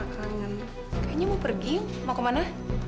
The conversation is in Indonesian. kayaknya mau pergi mau ke mana